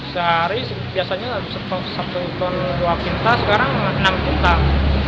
sehari biasanya satu dua kintal sekarang enam kintal